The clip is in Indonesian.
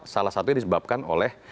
salah satunya disebabkan oleh